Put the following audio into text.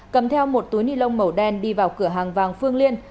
cầm theo một túi nilon màu đen đi vào cửa hàng vàng phương liên